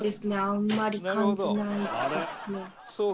あんまり感じないですね。